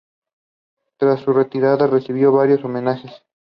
Tras su retirada recibió varios homenajes.